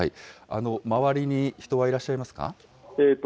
周りに人はいらっしゃいますか。